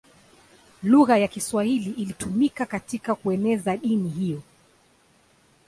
Lugha ya Kiswahili ilitumika katika kueneza dini hiyo.